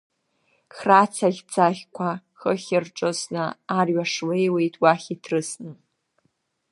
Хра цаӷьцаӷьқәа хыхь ирҿысны, арҩаш леиуеит уахь иҭрысны.